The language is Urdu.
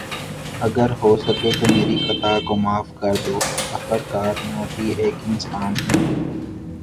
اگر ہوسکے تو میری خطا کو معاف کردو۔ آخر کار میں بھی ایک انسان ہوں۔